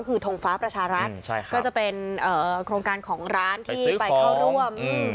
คือทงฟ้าประชารัฐก็จะเป็นโครงการของร้านที่ไปเข้าร่วม